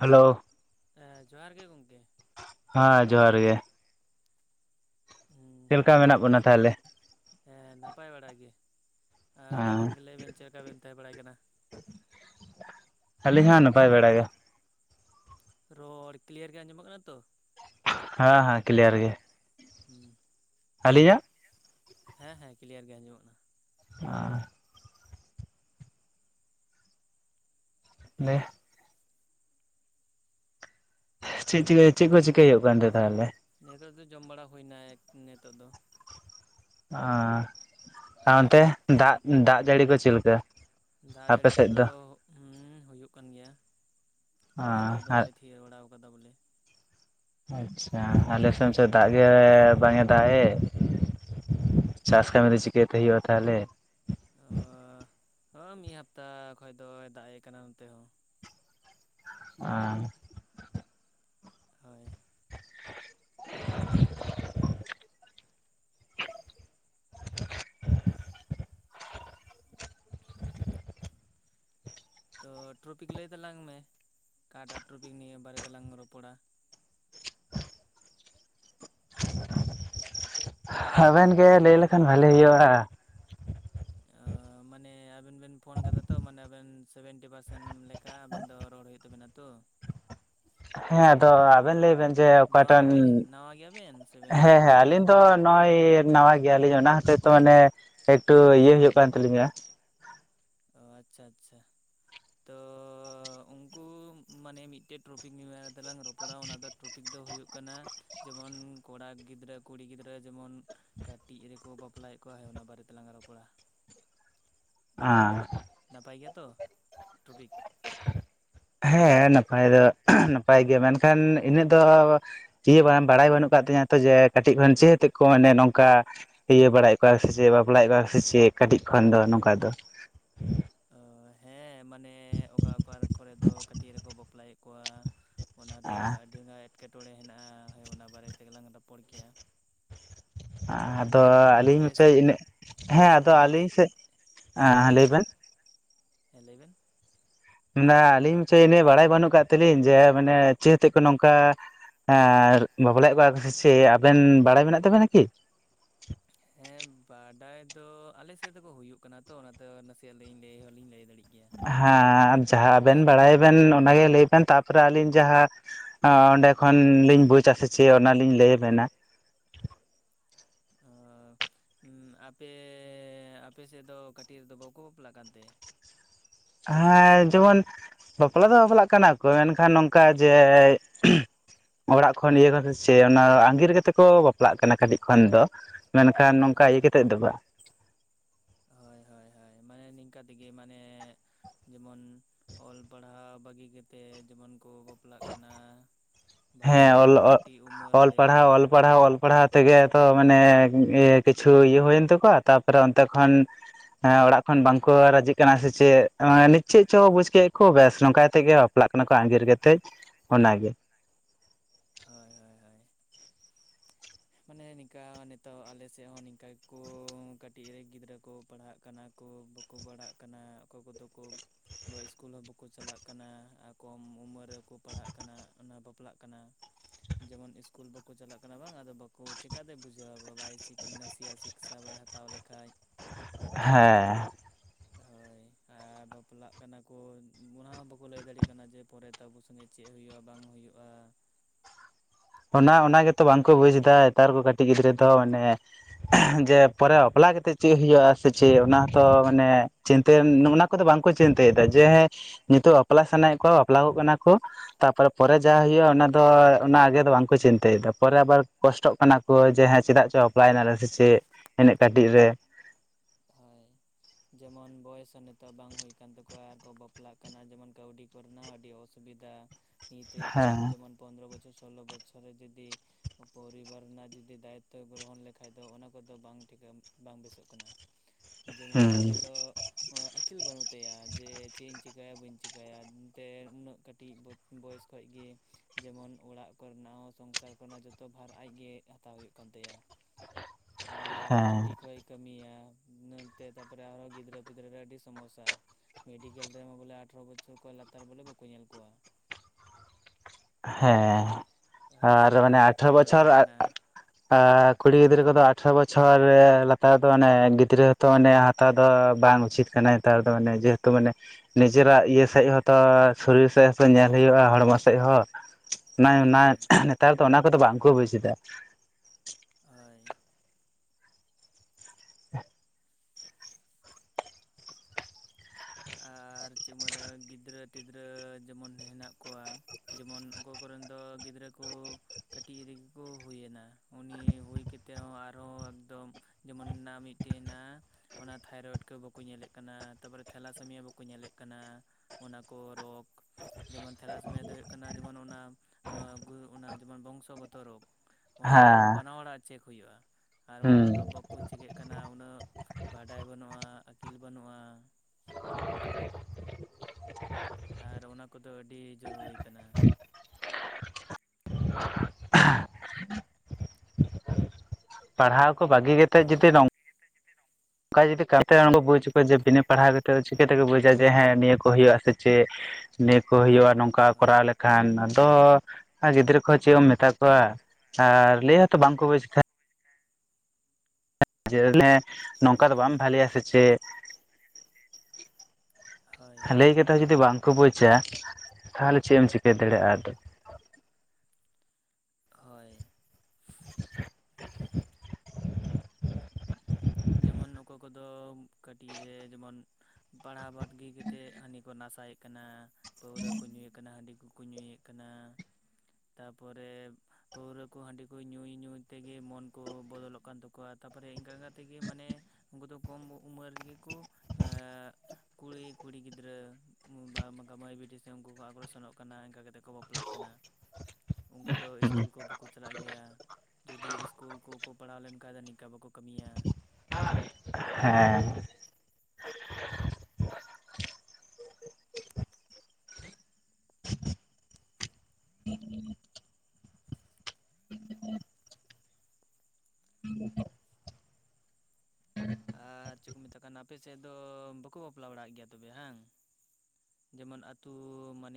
Hello. ᱮᱸ ᱡᱚᱦᱟᱨ ᱜᱮ ᱜᱚᱢᱠᱮ᱾ ᱦᱮᱸ ᱡᱚᱦᱟᱨ ᱜᱮ᱾ ᱦᱩᱸ ᱪᱮᱫ ᱞᱮᱠᱟ ᱢᱮᱱᱟᱜ ᱱᱟᱯᱟᱭ ᱵᱚᱱᱟ ᱪᱮᱟᱠᱟ ᱛᱟᱦᱚᱞᱮ ᱢᱮᱱᱟᱜ ᱵᱤᱱᱟ ᱛᱟᱦᱚᱞᱮ? ᱮᱸ ᱱᱟᱯᱟᱭ ᱵᱟᱲᱟ ᱜᱮ, ᱟᱨ ᱟᱵᱮᱱ ᱦᱮᱸ ᱜᱮ ᱞᱟᱹᱭ ᱵᱮᱱ ᱪᱮᱫ ᱞᱮᱠᱟ ᱵᱮᱱ ᱛᱟᱦᱮᱸ ᱵᱟᱲᱟᱭ ᱠᱟᱱᱟ? ᱟᱹᱞᱤᱧ ᱦᱚᱸ ᱱᱟᱯᱟᱭ ᱵᱟᱲᱟ ᱜᱮ ᱾ ᱨᱚᱲ ᱠᱞᱤᱭᱟᱨ ᱜᱮ ᱟᱸᱡᱚᱢᱚᱜ ᱠᱟᱱᱟ ᱛᱚ? ᱦᱮᱸ ᱦᱮᱸ ᱠᱞᱤᱭᱟᱨ ᱜᱮ᱾ ᱦᱩᱸ᱾ ᱟᱞᱮᱭᱟᱜ? ᱦᱮᱸ ᱦᱮᱸ ᱠᱞᱤᱭᱟᱨ ᱜᱮ ᱟᱸᱡᱚᱢᱚᱜ ᱠᱟᱱᱟ ᱾ ᱟ ᱞᱮ ᱪᱮᱫ ᱪᱤᱠᱟᱹᱭ ᱪᱮᱫ ᱠᱚ ᱪᱤᱠᱟᱹᱭ ᱦᱩᱭᱩᱜ ᱠᱟᱱ ᱛᱟᱦᱮᱸ ᱛᱟᱦᱚᱞᱮ? ᱱᱤᱛᱚᱜ ᱫᱚ ᱡᱚᱢ ᱵᱟᱲᱟ ᱦᱩᱭᱱᱟ ᱱᱤᱛᱚᱜ ᱫᱚ᱾ ᱟ᱾ ᱟᱨ ᱦᱳᱭ ᱚᱱᱛᱮ ᱫᱟᱜ ᱫᱟᱜ ᱡᱟᱹᱲᱤ ᱠᱚ ᱪᱮᱫᱞᱮᱠᱟ ᱫᱟᱜ ᱟᱯᱮ ᱡᱟᱹᱲᱤ ᱥᱮᱫ ᱠᱚᱫᱚ ᱫᱚ? ᱦᱩᱸ ᱦᱩᱭᱩᱜ ᱠᱟᱱ ᱜᱮᱭᱟ ᱱᱤᱛᱚᱜ ᱟᱨ ᱫᱚᱭ ᱛᱷᱤᱭᱟᱹ ᱵᱟᱲᱟ ᱟᱠᱟᱫᱟ ᱵᱚᱞᱮ᱾ ᱟᱪᱪᱷᱟ ᱟᱞᱮ ᱥᱮᱱ [unintelligible] ᱫᱟᱜ ᱜᱮ ᱵᱟᱝ ᱮ ᱫᱟᱜ ᱮ᱾ ᱪᱟᱥ ᱠᱟᱹᱢᱤ ᱫᱚ ᱪᱤᱠᱟᱹᱛᱮ ᱦᱩᱭᱩᱜᱼᱟ ᱛᱟᱦᱚᱞᱮ? ᱚ ᱦᱚᱸ ᱢᱤᱫ ᱦᱟᱯᱛᱟ ᱠᱷᱚᱡ ᱫᱚᱭ ᱫᱟᱜ ᱮ ᱠᱟᱱᱟ ᱚᱱᱛᱮ ᱦᱚᱸ᱾ ᱟ᱾ ᱦᱳᱭ᱾ ᱛᱚ ᱴᱨᱚᱯᱤᱠ ᱞᱟᱹᱭ ᱛᱟᱞᱟᱝ ᱢᱮ ᱟᱠᱟᱴᱟᱜ ᱴᱨᱚᱯᱤᱠ ᱱᱤᱭᱮ ᱵᱟᱨᱮ ᱛᱮᱞᱟᱝ ᱨᱚᱯᱚᱲᱟ? ᱟᱵᱮᱱ ᱜᱮ ᱞᱟᱹᱭ ᱞᱮᱠᱷᱟᱱ ᱵᱷᱟᱹᱞᱤ ᱦᱩᱭᱩᱜᱼᱟ᱾ ᱚ ᱢᱟᱱᱮ ᱟᱵᱮᱱ ᱵᱮᱱ ᱯᱷᱳᱱ ᱠᱟᱫᱟ ᱛᱚ ᱢᱟᱱᱮ ᱟᱵᱮᱱ ᱥᱮᱵᱷᱮᱱᱴᱤ ᱯᱟᱨᱥᱮᱱ ᱞᱮᱠᱟ ᱟᱵᱮᱱ ᱫᱚ ᱨᱚᱲ ᱦᱩᱭᱩᱜ ᱛᱟᱵᱤᱱᱟ ᱛᱚ ᱦᱮᱸ ᱟᱫᱚ ᱟᱵᱮᱱ ᱞᱟᱹᱭ ᱵᱮᱱ ᱡᱮ ᱱᱟᱣᱟ ᱚᱠᱟᱴᱟᱜ ᱜᱮᱵᱮᱱ ᱱᱟᱣᱟ ᱜᱮᱭᱟᱵᱮᱱ ᱥᱮᱵᱮᱱ ᱦᱮᱸ ᱦᱮᱸ ᱯᱩᱨᱟᱱᱟ ᱜᱮ ᱟᱹᱞᱤᱧ ᱫᱚ ᱱᱚᱸᱜᱼᱚᱭ ᱱᱟᱣᱟ ᱜᱮᱭᱟᱞᱤᱧ ᱚᱱᱟ ᱦᱚᱛᱮᱡ ᱛᱮ ᱢᱟᱱᱮ ᱮᱠᱴᱩ ᱤᱭᱟᱹ ᱦᱩᱭᱩᱜ ᱠᱟᱱ ᱛᱟᱹᱞᱤᱧᱟ ᱾ ᱚ ᱟᱪᱪᱷᱟ ᱟᱪᱪᱷᱟ᱾ ᱛᱚ ᱩᱱᱠᱩ ᱢᱟᱱᱮ ᱢᱤᱫᱴᱮᱜ ᱴᱨᱚᱯᱤᱠ ᱱᱤᱭᱮ ᱛᱮᱞᱟᱝ ᱨᱚᱯᱚᱲᱟ ᱚᱱᱟ ᱫᱚ ᱴᱨᱚᱯᱤᱠ ᱫᱚ ᱦᱩᱭᱩᱜ ᱠᱟᱱᱟ ᱡᱮᱢᱚᱱ ᱠᱚᱲᱟ ᱜᱤᱫᱽᱨᱟᱹ ᱠᱩᱲᱤ ᱜᱤᱫᱽᱨᱟᱹ ᱡᱮᱢᱚᱱ ᱠᱟᱹᱴᱤᱡ ᱨᱮᱠᱚ ᱵᱟᱯᱞᱟᱭᱮᱜ ᱠᱚᱣᱟ ᱦᱮᱸ ᱚᱱᱟ ᱵᱟᱨᱮᱛᱮ ᱞᱟᱝ ᱨᱚᱯᱚᱲᱟ ᱾ ᱟ ᱱᱟᱯᱟᱭ ᱜᱮᱭᱟ ᱛᱚ ᱴᱨᱚᱯᱤᱠ? ᱦᱮᱸ ᱱᱟᱯᱟᱭ ᱫᱚ ᱱᱟᱯᱟᱭ ᱜᱮᱭᱟ ᱢᱮᱱᱠᱷᱟᱱ ᱤᱱᱟᱹᱜ ᱫᱚ ᱤᱭᱟᱹ ᱵᱟᱝ ᱵᱟᱲᱟᱭ ᱵᱟᱹᱱᱩᱜ ᱠᱟᱜ ᱛᱤᱧᱟᱹ ᱛᱚ ᱡᱮ ᱠᱟᱹᱴᱤᱡ ᱠᱷᱚᱱ ᱪᱮᱫ ᱛᱮᱠᱚ ᱢᱟᱱᱮ ᱱᱚᱝᱠᱟ ᱤᱭᱟᱹ ᱵᱟᱲᱟᱭ ᱚᱠᱟ ᱥᱮ ᱪᱮᱫ ᱵᱟᱯᱞᱟᱭ ᱥᱮ ᱪᱮᱫ ᱠᱟᱹᱴᱤᱡ ᱠᱷᱚᱱ ᱫᱚ ᱱᱚᱝᱠᱟ ᱫᱚ ᱾ ᱚ ᱦᱮᱸ ᱢᱟᱱᱮ ᱚᱠᱟ ᱚᱠᱟ ᱠᱚᱨᱮ ᱫᱚ ᱠᱟᱹᱴᱤᱡ ᱨᱮᱠᱚ ᱵᱟᱯᱞᱟᱭᱮᱫ ᱠᱚᱣᱟ ᱾ ᱚᱱᱟ ᱨᱮᱭᱟᱜ ᱟᱹᱰᱤ ᱦᱚᱲ ᱟᱜ ᱮᱴᱠᱮᱴᱚᱬᱮ ᱦᱮᱱᱟᱜᱼᱟ ᱦ ᱚᱱᱟ ᱵᱟᱨᱮ ᱛᱮᱜᱮᱞᱟᱝ ᱨᱚᱯᱚᱲ ᱠᱮᱭᱟ ᱾ ᱟᱫᱚ ᱟᱹᱞᱤᱧ ᱟᱯᱮ ᱢᱩᱪᱮᱫ ᱥᱮᱫ ᱤᱱᱟᱹ ᱦᱮᱸ ᱟᱫᱚ ᱚᱱᱟ ᱢᱮᱱᱫᱟᱹᱧ ᱟᱹᱞᱤᱧ ᱥᱮᱫ ᱦᱮᱸ ᱦ ᱞᱟᱹᱭ ᱞᱟᱹᱭᱵᱮᱱ ᱵᱮᱱ ᱾ ᱦᱮᱸ ᱞᱟᱹᱭ ᱵᱮᱱ ᱾ ᱚᱱᱟ ᱟᱹᱞᱤᱧ ᱤᱱᱟᱹ ᱵᱟᱲᱟᱭ ᱵᱟᱹᱱᱩᱜ ᱟᱠᱟᱫ ᱛᱤᱞᱤᱧ ᱡᱮ ᱢᱟᱱᱮ ᱪᱮᱫ ᱛᱮᱫ ᱠᱚ ᱱᱚᱝᱠᱟ ᱦᱮᱸ ᱵᱟᱯᱞᱟᱭᱮᱫ ᱠᱚᱣᱟ ᱪᱮᱫ ᱟᱵᱮᱱ ᱵᱟᱲᱟᱭ ᱢᱮᱱᱟᱜ ᱛᱟᱵᱮᱱᱟ ᱠᱤ? ᱦᱮᱸ ᱵᱟᱰᱟᱭ ᱫᱚ ᱟᱞᱮᱥᱮᱫ ᱫᱚᱠᱚ ᱦᱩᱭᱩᱜ ᱠᱟᱱᱟ ᱛᱚ ᱚᱱᱟᱛᱮ ᱱᱟᱥᱮᱭᱟᱜ ᱞᱟᱹᱭ ᱦᱚᱞᱤᱧ ᱞᱟᱹᱭ ᱫᱟᱲᱮᱭᱟᱜ ᱜᱮᱭᱟ ᱾ ᱦᱮᱸ ᱡᱟᱦᱟᱸ ᱟᱵᱮᱱ ᱵᱟᱲᱟᱭ ᱟᱵᱮᱱ ᱚᱱᱟᱜᱮ ᱞᱟᱹᱭ ᱵᱮᱱ ᱛᱟᱯᱚᱨᱮ ᱟᱹᱞᱤᱧ ᱡᱟᱦᱟᱸ ᱚᱸᱰᱮ ᱠᱷᱚᱱ ᱞᱤᱧ ᱵᱩᱡ ᱟᱥᱮ ᱪᱮᱫ ᱚᱱᱟᱞᱤᱧ ᱞᱟᱹᱭ ᱟᱵᱮᱱᱟ ᱾ ᱚ ᱟᱯᱮ ᱟᱯᱮ ᱥᱮᱫ ᱫᱚ ᱠᱟᱹᱴᱤᱡ ᱨᱮᱫᱚ ᱵᱟᱠᱚ ᱵᱟᱯᱞᱟᱜ ᱠᱟᱱᱛᱮ? ᱦᱮᱸ ᱡᱮᱢᱚᱱ ᱵᱟᱯᱞᱟ ᱫᱚ ᱵᱟᱯᱞᱟᱜ ᱠᱟᱱᱟ ᱠᱚ ᱠᱚ ᱢᱮᱱᱠᱷᱟᱱ ᱱᱚᱝᱠᱟ ᱡᱮ ᱚᱲᱟᱜ ᱠᱷᱚᱱ ᱤᱭᱟᱹ ᱠᱟᱛᱮ ᱥᱮ ᱪᱮᱫ ᱚᱱᱟ ᱟᱸᱜᱤᱨ ᱠᱟᱛᱮ ᱠᱚ ᱵᱟᱯᱞᱟᱜ ᱠᱟᱱᱟ ᱠᱟᱹᱴᱤᱡ ᱠᱷᱚᱱ ᱫᱚ ᱾ ᱚ ᱢᱮᱱᱠᱷᱟᱱ ᱱᱚᱝᱠᱟ ᱤᱭᱟᱹ ᱠᱟᱛᱮᱫ ᱫᱚ ᱵᱟᱝ ᱾ ᱦᱳᱭ ᱦᱳᱭ ᱦᱳᱭ ᱢᱟᱱᱮ ᱱᱤᱝᱠᱟ ᱛᱮᱜᱮ ᱢᱟᱱᱮ ᱡᱮᱢᱚᱱ ᱚᱞ ᱯᱟᱲᱦᱟᱣ ᱵᱟᱹᱜᱤ ᱠᱟᱛᱮᱫ ᱡᱮᱢᱚᱱ ᱠᱚ ᱵᱟᱯᱞᱟᱜ ᱠᱟᱱᱟ ᱾ ᱵᱟᱯᱞᱟᱜ ᱠᱟᱱᱟ ᱠᱚ ᱠᱟᱹᱴᱤᱡ ᱩᱢᱟᱨ ᱨᱮ ᱾ ᱚ ᱯᱟᱲᱦᱟᱣ ᱚᱞ ᱯᱟᱲᱦᱟᱣ ᱛᱮᱜᱮ ᱛᱚ ᱢᱟᱱᱮᱤᱭᱟᱹ ᱠᱤᱪᱷᱩ ᱤᱭᱟᱹ ᱦᱩᱭᱮᱱ ᱛᱟᱠᱚᱣᱟ ᱛᱟᱨᱯᱚᱨᱮ ᱚᱱᱛᱮ ᱠᱷᱚᱱ ᱦᱮᱸ ᱚᱲᱟᱜ ᱠᱷᱚᱱ ᱵᱟᱝᱠᱚ ᱨᱟᱹᱡᱤᱜ ᱠᱟᱱᱟ ᱥᱮ ᱪᱮᱫ ᱢᱟᱱᱮ ᱪᱮᱫ ᱪᱚᱝ ᱵᱩᱡ ᱠᱮᱫ ᱠᱚ ᱵᱮᱥ ᱱᱚᱝᱠᱟ ᱠᱟᱛᱮᱜ ᱜᱮ ᱵᱟᱯᱞᱟᱜ ᱠᱟᱱᱟ ᱠᱚ ᱟᱸᱜᱤᱨ ᱠᱟᱛᱮᱫ ᱾ ᱚᱱᱟᱜᱮ ᱾ ᱦᱳᱭ ᱦᱳᱭ ᱦᱳᱭ ᱾ ᱢᱟᱱᱮ ᱱᱤᱝᱠᱟ ᱱᱮᱛᱚᱜ ᱟᱞᱮᱥᱮᱫ ᱦᱚᱸ ᱱᱤᱝᱠᱟ ᱜᱮᱠᱚ ᱠᱟᱹᱴᱤᱡ ᱨᱮ ᱜᱤᱫᱽᱨᱟᱹ ᱠᱚ ᱯᱟᱲᱦᱟᱜ ᱠᱟᱱᱟ ᱠᱚ ᱵᱟᱠᱚ ᱯᱟᱲᱟᱜ ᱠᱟᱱᱟ ᱚᱠᱚᱭ ᱠᱚᱫᱚ ᱠᱚ ᱾ ᱵᱟ ᱤᱥᱠᱩᱞ ᱦᱚᱸ ᱵᱟᱠᱚ ᱪᱟᱞᱟᱜ ᱠᱟᱱᱟ ᱟᱨ ᱠᱚᱢ ᱩᱢᱮᱨ ᱠᱚ ᱯᱟᱲᱦᱟᱜ ᱠᱟᱱᱟ ᱚᱱᱟ ᱵᱟᱯᱞᱟᱜ ᱠᱟᱱᱟ ᱡᱮᱢᱚᱱ ᱤᱥᱠᱩᱞ ᱵᱟᱠᱚ ᱪᱟᱞᱟᱜ ᱠᱟᱱᱟ ᱵᱟᱝ ᱟᱫᱚ ᱠᱚ ᱪᱮᱠᱟᱛᱮᱭ ᱵᱩᱡᱷᱟᱹᱣᱟ ᱵᱟᱭ ᱥᱤᱠᱥᱟᱹ ᱥᱤᱟ ᱥᱤᱠᱥᱟ ᱵᱟᱭ ᱦᱟᱛᱟᱣ ᱞᱮᱠᱦᱟᱡ ᱾ ᱦᱮᱸ ᱾ ᱦᱳᱭ ᱟᱨ ᱵᱟᱯᱞᱟᱜ ᱠᱟᱱᱟᱠᱚ ᱚᱱᱟᱦᱚ ᱵᱟᱠᱚ ᱞᱟᱹᱭ ᱫᱟᱲᱮᱭᱟᱜ ᱠᱟᱱᱟ ᱡᱮ ᱯᱚᱨᱮᱛᱮ ᱟᱵᱚ ᱥᱚᱸᱜᱮ ᱪᱮᱫ ᱦᱩᱭᱩᱜᱼᱟ ᱵᱟᱝ ᱦᱩᱭᱩᱜᱼᱟ ᱾ ᱚᱱᱟ ᱚᱱᱟ ᱜᱮᱛᱚ ᱵᱟᱝᱠᱚ ᱵᱩᱡ ᱮᱫᱟ ᱱᱮᱛᱟᱨ ᱠᱚ ᱠᱟᱹᱴᱤᱡ ᱜᱤᱫᱽᱨᱟᱹ ᱫᱚ ᱚᱱᱮ ᱾ ᱡᱮ ᱯᱚᱨᱮ ᱵᱟᱯᱞᱟ ᱠᱟᱛᱮᱜ ᱪᱮᱫ ᱦᱩᱭᱩᱜ ᱟ ᱥᱮ ᱪᱮᱫ ᱚᱱᱟ ᱦᱚᱸᱛᱚ ᱢᱟᱱᱮ ᱾ ᱪᱤᱱᱛᱟᱹᱭ ᱚᱱᱟ ᱠᱚᱫᱚ ᱵᱟᱝᱠᱚ ᱪᱤᱱᱛᱟᱹᱭᱮᱫᱟ ᱡᱮ ᱦᱮᱸ ᱱᱤᱛᱚᱜ ᱵᱟᱯᱞᱟ ᱥᱟᱱᱟᱭᱮᱫ ᱠᱚᱣᱟ ᱵᱟᱯᱞᱟ ᱠᱚᱜ ᱠᱟᱱᱟ ᱠᱚ ᱛᱟᱯᱚᱨᱮ ᱯᱚᱨᱮ ᱦᱮᱸ ᱡᱟᱦᱟᱸ ᱦᱳᱭᱳᱜᱼᱟ ᱚᱱᱟ ᱫᱚ ᱚᱱᱟ ᱟᱜᱮ ᱵᱟᱝᱠᱚ ᱪᱤᱱᱛᱟᱹᱭᱮᱫᱟ ᱯᱚᱨᱮ ᱟᱵᱟᱨ ᱠᱚᱥᱴᱚᱜ ᱠᱟᱱᱟ ᱠᱚ ᱡᱮ ᱦᱮᱸ ᱪᱮᱫᱟᱜ ᱪᱚᱝ ᱵᱟᱯᱟᱭᱱᱟ ᱥᱮ ᱪᱮᱫ ᱤᱱᱮᱜ ᱠᱟᱹᱴᱤᱡ ᱨᱮ ᱾ ᱦᱳᱭ ᱡᱮᱢᱚᱱ ᱵᱚᱭᱮᱥ ᱦᱚᱸ ᱱᱤᱛᱚᱜ ᱵᱟᱝ ᱦᱩᱭ ᱠᱟᱱ ᱛᱟᱠᱚᱣᱟ ᱟᱨᱠᱚ ᱵᱟᱯᱞᱟᱜ ᱠᱟᱱᱟ ᱡᱮᱢᱚᱱ ᱠᱟᱹᱣᱰᱤ ᱠᱚᱨᱮᱱᱟᱜ ᱟᱹᱰᱤ ᱚᱥᱩᱵᱤᱫᱷᱟ ᱱᱤᱛ ᱨᱮ ᱦᱮᱸ ᱡᱮᱢᱚᱱ ᱯᱚᱱᱨᱚ ᱵᱚᱪᱷᱚᱨ ᱥᱳᱞᱳ ᱵᱚᱪᱷᱚᱨ ᱨᱮ ᱡᱩᱫᱤ ᱯᱚᱨᱤᱵᱟᱨ ᱨᱮᱱᱟᱜ ᱡᱚᱫᱤ ᱫᱟᱭᱤᱛᱛᱚ ᱜᱨᱚᱦᱚᱱ ᱞᱮᱠᱷᱟᱡ ᱫᱚ ᱚᱱᱟ ᱠᱚᱫᱚ ᱵᱟᱝ ᱴᱷᱤᱠ ᱵᱟᱝ ᱵᱮᱥᱚᱜ ᱠᱟᱱᱟ᱾ ᱡᱮᱢᱚᱱ ᱦᱩᱸ ᱩᱱᱤ ᱫᱚ ᱟᱹᱠᱤᱞ ᱵᱟᱹᱱᱩᱜ ᱛᱟᱭᱟ ᱡᱮ ᱪᱮᱫ ᱤᱧ ᱪᱤᱠᱟᱹ ᱵᱟᱹᱧ ᱪᱤᱠᱟᱭᱟᱛᱮ ᱩᱱᱟᱹᱜ ᱠᱟᱹᱴᱤᱡ ᱵᱚᱭᱮᱥ ᱠᱷᱚᱡ ᱜᱮᱺ ᱡᱮᱢᱚᱱ ᱚᱲᱟᱜ ᱠᱚᱨᱮᱱᱟᱜ ᱦᱚᱸ ᱥᱚᱝᱥᱟᱨ ᱠᱚᱨᱮᱱᱟᱜ ᱡᱚᱛᱚ ᱵᱷᱟᱨ ᱟᱡᱜᱮ ᱦᱟᱛᱟᱣ ᱦᱳᱭᱳᱜ ᱠᱟᱱ ᱛᱟᱭᱟ᱾ [inaudible] ᱟᱨ ᱦᱮᱸ ᱠᱟᱹᱴᱤᱡ ᱠᱷᱚᱡ ᱮ ᱠᱟᱹᱢᱤᱭᱟ᱾ ᱱᱚᱛᱮ ᱛᱟᱯᱚᱨᱮ ᱟᱨᱦᱚ ᱜᱤᱫᱽᱨᱟᱹ ᱯᱤᱫᱸᱨᱟ ᱨᱮ ᱟᱹᱰᱤ ᱥᱚᱢᱚᱥᱟ᱾ ᱢᱮᱰᱤᱠᱮᱞ ᱨᱮᱦᱚ ᱵᱚᱞᱮ ᱟᱴᱷᱨᱚ ᱵᱚᱪᱷᱚᱨ ᱠᱷᱚᱱ ᱞᱟᱛᱟᱨ ᱵᱚᱞᱮ ᱵᱟᱠᱚ ᱧᱮᱞ ᱠᱚᱣᱟ᱾ ᱦᱮᱸ ᱟᱨ ᱚᱱᱟ ᱢᱟᱱᱮ ᱨᱮᱭᱟᱜ ᱟᱴᱷᱨᱚ ᱮᱴᱠᱮᱴᱚᱬᱮ ᱵᱚᱪᱷᱚᱨ ᱦᱩᱭᱩᱜ ᱟᱨ ᱠᱟᱱᱟ ᱠᱩᱲᱤ ᱜᱤᱫᱽᱨᱟᱹ ᱠᱚᱫᱚ ᱟᱴᱷᱮᱨᱚ ᱵᱚᱪᱷᱚᱨ ᱞᱟᱛᱟᱨ ᱫᱚ ᱚᱱᱮ ᱜᱤᱫᱽᱨᱟᱹ ᱛᱚ ᱚᱱᱮ ᱦᱟᱛᱟᱣ ᱫᱚ ᱵᱟᱝ ᱩᱪᱤᱛ ᱠᱟᱱᱟ ᱱᱮᱛᱟᱨ ᱫᱚ ᱚᱱᱮ ᱡᱮᱦᱮᱛᱩ ᱢᱟᱱᱮ ᱱᱤᱡᱮᱨᱟᱜ ᱤᱭᱟᱹ ᱥᱮᱡ ᱦᱚᱸᱛᱚ ᱥᱚᱨᱤᱨ ᱥᱮᱡ ᱦᱚᱸᱛᱚ ᱧᱮᱞ ᱦᱳᱭᱳᱜᱼᱟ ᱦᱚᱲᱢᱚ ᱥᱮᱡ ᱦᱚᱸ᱾ ᱚᱱᱟ ᱚᱱᱟ ᱦᱳᱭ ᱱᱮᱛᱟᱨ ᱫᱚ ᱚᱱᱟ ᱠᱚᱫᱚ ᱵᱟᱝᱠᱚ ᱵᱩᱡ ᱫᱟ᱾ ᱦᱚᱭ᱾ [inaudible] ᱟᱨ ᱪᱮᱫ ᱢᱟᱧ ᱜᱤᱫᱽᱨᱟᱹᱴᱤᱫᱽᱨᱟᱹ ᱡᱮᱢᱚᱱ ᱦᱮᱱᱟᱜ ᱠᱚᱣᱟ᱾ ᱡᱮᱢᱚᱱ ᱚᱠᱚᱭ ᱠᱚᱨᱮᱱ ᱫᱚ ᱜᱤᱫᱽᱨᱟᱹ ᱠᱚ ᱠᱟᱹᱴᱤᱡ ᱨᱮᱜᱮ ᱠᱩ ᱦᱩᱭ ᱱᱟ ᱩᱱᱤ ᱦᱩᱭ ᱠᱟᱛᱮᱫ ᱦᱚᱸ ᱟᱨᱦᱚᱸ ᱮᱠᱫᱚᱢ ᱡᱮᱢᱚᱱ ᱚᱱᱟ ᱢᱤᱫᱴᱤᱜ ᱦᱮᱱᱟᱜᱼᱟ ᱚᱱᱟ ᱛᱷᱟᱭᱨᱚᱭᱮᱰ ᱠᱚ ᱵᱟᱠᱚ ᱧᱮᱞᱮᱫ ᱠᱟᱱᱟ ᱛᱟᱯᱚᱨᱮ ᱛᱷᱮᱞᱟᱥᱮᱢᱤᱭᱟᱹ ᱵᱟᱠᱚ ᱧᱮᱞᱮᱜ ᱠᱟᱱᱟ ᱚᱱᱟ ᱠᱚ ᱨᱚᱜ᱾ ᱡᱮᱢᱚᱱ ᱛᱷᱮᱞᱟᱥᱮᱢᱤᱭᱟᱹ ᱫᱚ ᱦᱳᱭᱳᱜ ᱠᱟᱱᱟ ᱡᱮᱢᱚᱱ ᱚᱱᱟ ᱡᱮᱢᱚᱱ ᱵᱚᱝᱥᱚᱜᱚᱛᱚ ᱨᱳᱜᱽ᱾ ᱚᱱᱟ ᱫᱚ ᱦᱮᱸ ᱵᱟᱱᱟ ᱦᱚᱲᱲᱟᱜ ᱪᱮᱠ ᱦᱩᱭᱩᱜᱼᱟ ᱟᱨ ᱚᱠᱚᱭ ᱦᱩᱸ ᱠᱚᱫᱚ ᱵᱚᱠᱚ ᱪᱤᱠᱟᱹᱜ ᱠᱟᱱᱟ ᱩᱱᱟᱹᱜ ᱵᱟᱰᱟᱭ ᱵᱟᱹᱱᱩᱜᱼᱟ ᱟᱹᱠᱤᱞ ᱵᱟᱹᱱᱩᱜᱼᱟ᱾ ᱟᱨ ᱚᱱᱟ ᱠᱚᱫᱚ ᱟᱹᱰᱤ ᱡᱟᱨᱩᱨᱤ ᱠᱟᱱᱟ᱾ ᱯᱟᱲᱦᱟᱣ ᱠᱚ ᱵᱟᱹᱜᱤ ᱠᱟᱛᱮᱜ ᱡᱚᱫᱤ ᱱᱚᱝ ᱚᱱᱠᱟ ᱡᱩᱫᱤ ᱠᱟᱛᱮ ᱦᱚᱲ ᱵᱚ ᱵᱩᱡᱽ ᱟᱠᱚᱣᱟ ᱡᱮ ᱵᱤᱱᱟᱹ ᱯᱟᱲᱦᱟᱣ ᱠᱟ ᱠᱟᱛᱮᱫ ᱪᱤᱠᱟᱹ ᱛᱮᱠᱚ ᱵᱩᱡᱟ ᱡᱮ ᱦᱮᱸ ᱱᱤᱭᱟᱹ ᱠᱚ ᱦᱩᱭᱩᱜ-ᱟ ᱥᱮ ᱪᱮᱫ᱾ ᱱᱤᱭᱟᱹ ᱠᱚ ᱦᱩᱭᱩᱜᱼᱟ ᱱᱚᱝᱠᱟ ᱦᱳᱭ ᱠᱚᱨᱟᱣ ᱞᱮᱠᱟ ᱠᱷᱟᱱ ᱟᱫᱚ ᱜᱤᱫᱽᱨᱟᱹ ᱠᱚᱦᱚᱸ ᱪᱮᱫ ᱮᱢ ᱢᱮᱛᱟ ᱠᱚᱣᱟ ᱟᱨ ᱞᱟᱹᱭ ᱦᱚᱸᱛᱚ ᱵᱟᱝᱠᱚ ᱵᱩᱡ ᱠᱷᱟ ᱡᱮ ᱞᱮ ᱱᱚᱝᱠᱟ ᱫᱚ ᱵᱟᱢ ᱵᱷᱟᱞᱮ ᱟ ᱥᱮ ᱪᱮ᱾ ᱦᱳᱭ ᱞᱟᱹᱭ ᱦᱳᱭ ᱠᱟᱛᱮ ᱦᱚ ᱡᱩᱫᱤ ᱵᱟᱝᱠᱚ ᱵᱩᱡᱟ ᱛᱟᱦᱞᱮ ᱪᱮᱫ ᱮᱢ ᱪᱤᱠᱟᱹ ᱫᱟᱲᱮᱜ ᱟᱫ᱾ ᱦᱚᱭ᱾ [inaudible] ᱡᱮᱢᱚᱱ ᱚᱠᱚᱭ ᱠᱚᱫᱚ ᱠᱟᱹᱴᱤᱡ ᱨᱮ ᱡᱮᱢᱚᱱ ᱯᱟᱲᱦᱟᱣ ᱵᱟᱫᱽᱜᱤ ᱠᱟᱛᱮᱫ ᱦᱟᱺᱰᱤ ᱠᱚ ᱱᱟᱥᱟᱭᱮᱜ ᱠᱟᱱᱟ ᱯᱟᱹᱣᱨᱟᱹ ᱠᱚ ᱧᱩᱭᱮᱜ ᱠᱟᱱᱟ ᱦᱟᱺᱰᱤ ᱠᱚᱠᱚ ᱧᱩᱭᱮᱜ ᱠᱟᱱᱟ ᱛᱟᱯᱚᱨᱮ᱾ ᱯᱟᱹᱣᱨᱟᱹ ᱠᱚ ᱦᱟᱺᱰᱤ ᱠᱚ ᱧᱩᱭ ᱧᱩᱭ ᱛᱮᱜᱮ ᱢᱚᱱ ᱠᱚ ᱵᱚᱫᱚᱞᱚᱜ ᱠᱟᱱ ᱛᱟᱠᱚᱣᱟ ᱛᱟᱯᱚᱨᱮ ᱤᱱᱠᱟ ᱠᱟ ᱛᱮᱜᱮ ᱢᱟᱱᱮ ᱩᱱᱠᱩ ᱫᱚ ᱠᱚᱢ ᱩᱢ ᱩᱢᱮᱨ ᱨᱮᱜᱮ ᱠᱚ ᱮ ᱠᱩᱲᱤ ᱠᱩᱲᱤ ᱜᱤᱫᱽᱨᱟᱹ ᱵᱟ ᱢᱟᱹᱭ ᱵᱤᱴᱤ ᱥᱮ ᱩᱱᱠᱩ ᱠᱚ ᱟᱠᱜᱨᱚᱥᱚᱱᱚᱜ ᱠᱟᱱᱟ ᱤᱱᱠᱟ ᱠᱟᱛᱮᱫ ᱠᱚ ᱵᱟᱯᱞᱟᱜ ᱠᱟᱱᱟ᱾ [unintelligible] ᱩᱱᱠᱩ ᱫᱚ ᱥᱠᱩᱞ ᱠᱚ ᱵᱟᱠᱚ ᱪᱟᱞᱟᱜ ᱜᱮᱭᱟ᱾ ᱡᱩᱫᱤ ᱤᱥᱠᱩᱞ ᱠᱚᱠᱚ ᱯᱟᱲᱦᱟᱣ ᱞᱮᱱᱠᱷᱟᱡ ᱫᱚ ᱱᱤᱝᱠᱟ ᱵᱟᱠᱚ ᱠᱟᱹᱢᱤᱭᱟ᱾ ᱦᱮᱸ᱾ ᱟᱨ ᱪᱮᱫ ᱠᱚ ᱢᱮᱛᱟᱜ ᱠᱟᱱᱟ ᱟᱯᱮ ᱥᱮᱫ ᱫᱚ ᱵᱟᱠᱚ ᱵᱟᱯᱞᱟ ᱵᱟᱲᱟᱜ ᱜᱮᱭᱟ ᱛᱚᱵᱮ ᱦᱟᱱ? ᱡᱮᱢᱚᱱ ᱟᱹᱛᱩ ᱢᱟᱱᱮ